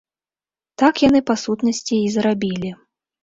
Так яны па сутнасці і зрабілі.